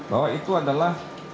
bahwa itu adalah